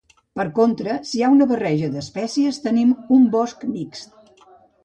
Per contra, si hi ha una barreja d'espècies, tenim un bosc mixt.